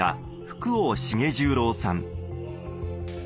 福王茂十郎さん